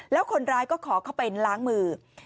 แล้วคนร้ายก็ขอเข้าไปล้างมือ